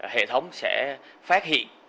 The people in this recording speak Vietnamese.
hệ thống sẽ phát hiện